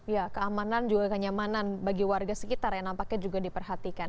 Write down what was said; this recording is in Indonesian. ya keamanan juga kenyamanan bagi warga sekitar ya nampaknya juga diperhatikan